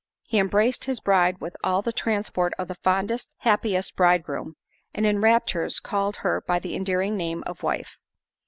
He embraced his bride with all the transport of the fondest, happiest bridegroom, and in raptures called her by the endearing name of "wife."